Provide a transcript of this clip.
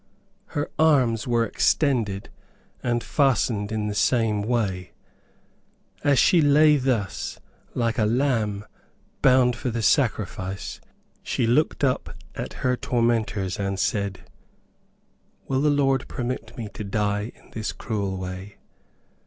Her arms were extended, and fastened in the same way. As she lay thus, like a lamb bound for the sacrifice, she looked up at her tormentors and said, "Will the Lord permit me to die in this cruel way?"